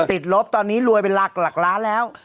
ติดลบตอนนี้รวยเป็นหลักล้านแล้ว